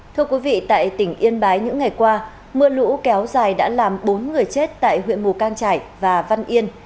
thưa quý vị tại tỉnh yên bái những ngày qua mưa lũ kéo dài đã làm bốn người chết tại huyện mù cang trải và văn yên